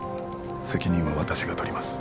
責任は私が取ります